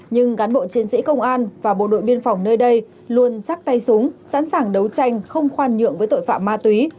nhưng cán bộ chiến sĩ công an và bộ đội biên phòng nơi đây luôn chắc tay súng sẵn sàng đấu tranh không khoan nhượng với tội phạm ma túy